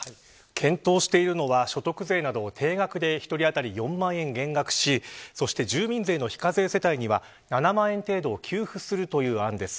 検討してるのは取得税など定額で１人当たり４万円減額しそして住民税の非課税世帯には７万円程度を給付するという案です。